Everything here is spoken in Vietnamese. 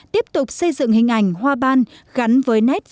tiếp tục xây dựng hình ảnh hoa ban gắn với nét văn hóa đặc biệt